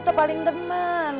lo tuh paling demen